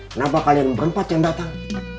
kenapa kalian berempat yang datang